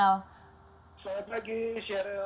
selamat pagi sheryl